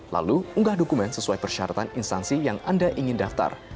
lalu unggah dokumen sesuai persyaratan instansi yang anda inginkan